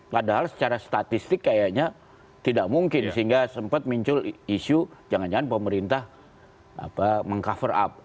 padahal secara statistik kayaknya tidak mungkin sehingga sempat muncul isu jangan jangan pemerintah meng cover up